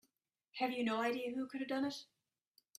Have you no idea who could have done it?